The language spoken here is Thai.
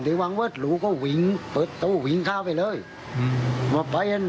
งั้นลูกเขยยังเป็นเมาคลั่ง